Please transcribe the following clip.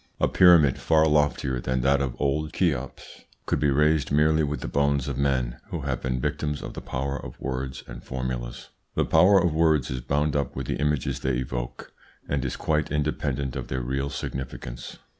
A pyramid far loftier than that of old Cheops could be raised merely with the bones of men who have been victims of the power of words and formulas. The power of words is bound up with the images they evoke, and is quite independent of their real significance.